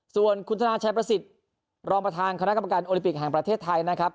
ส่วนคุณธนาชัยประสิทธิ์รองประธานคณะกรรมการโอลิปิกแห่งประเทศไทยนะครับ